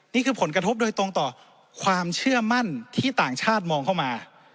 นี่คือผลกระทบโดยตรงต่อความเชื่อมั่นที่ต่างชาติมองเข้ามา